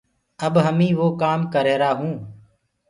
اب همي وو ڪآم ڪر رهيرآ هونٚ۔